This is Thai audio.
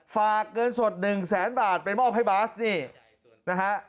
ฝากเงินสด๑แสนบาทไปมอบให้บาสนี่นะฮะ